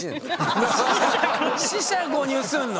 四捨五入すんの？